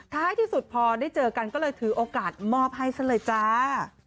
ที่สุดพอได้เจอกันก็เลยถือโอกาสมอบให้ซะเลยจ้า